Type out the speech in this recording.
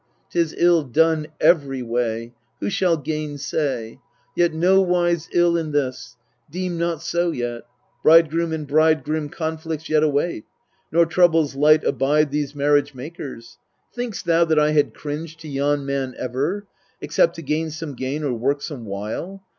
'Tis ill done every way ; who shall gainsay ? Yet nowise ill in this ; deem not so yet. Bridegroom and bride grim conflicts yet await ; Nor troubles light abide these marriage makers. Think'st thou that I had cringed to yon man ever, Except to gain some gain, or work some wile